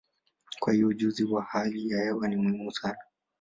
Kwa hiyo, ujuzi wa hali ya hewa ni muhimu sana.